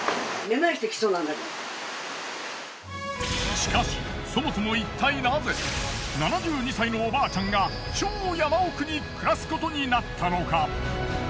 しかしそもそもいったいなぜ７２歳のおばあちゃんが超山奥に暮らすことになったのか？